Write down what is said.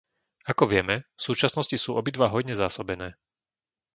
Ako vieme, v súčasnosti sú obidva hojne zásobené.